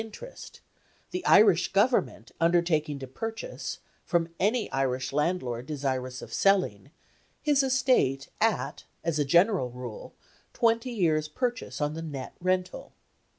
interest, the Irish Government undertaking to purchase, from any Irish landlord desirous of selling, his estate at (as a general rule) twenty years' purchase on the net rental.